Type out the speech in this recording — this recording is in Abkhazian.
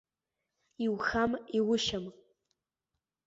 Иухам, иушьам.